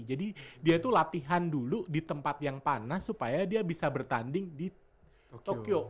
jadi dia itu latihan dulu di tempat yang panas supaya dia bisa bertanding di tokyo